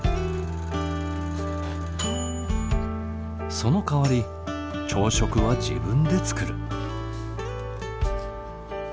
そのかわり朝食は自分で作る。